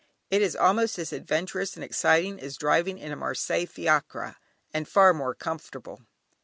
It is almost as adventurous and exciting as driving in a Marseilles Fiacre, and far more comfortable.